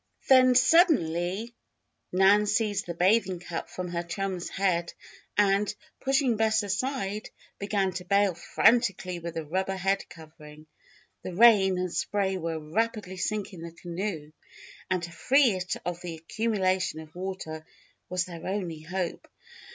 Then suddenly Nan seized the bathing cap from her chum's head, and, pushing Bess aside, began to bail frantically with the rubber head covering. The rain and spray were rapidly sinking the canoe, and to free it of the accumulation of water was their only hope.